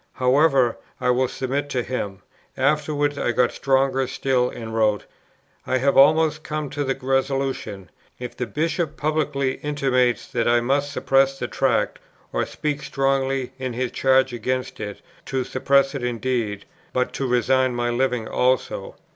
However, I will submit to him." Afterwards, I got stronger still and wrote: "I have almost come to the resolution, if the Bishop publicly intimates that I must suppress the Tract, or speaks strongly in his charge against it, to suppress it indeed, but to resign my living also.